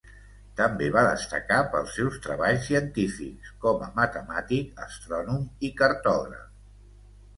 També va destacar pels seus treballs científics, com a matemàtic, astrònom i cartògraf.